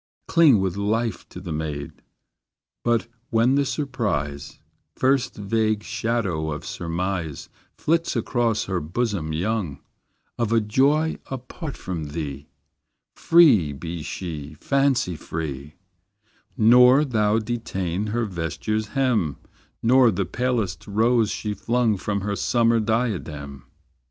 Cling with life to the maid; But when the surprise, First vague shadow of surmise Flits across her bosom young, Of a joy apart from thee, Free be she, fancy free; Nor thou detain her vesture's hem, Nor the palest rose she flung From her summer diadem.